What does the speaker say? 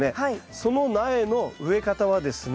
その苗の植え方はですね